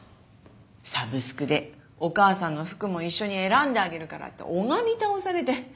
サブスクでお母さんの服も一緒に選んであげるからって拝み倒されて。